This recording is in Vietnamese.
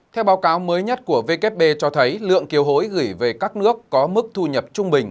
theo báo cáo mới nhất của wb cho thấy lượng kiều hối gửi về các nước có mức thu nhập trung bình